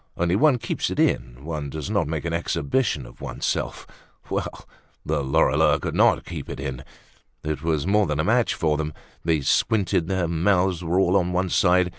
Only one keeps it in, one does not make an exhibition of oneself. Well! The Lorilleuxs could not keep it in. It was more than a match for them. They squinted—their mouths were all on one side.